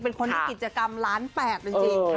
เป็นคนที่กิจกรรมล้าน๘จริง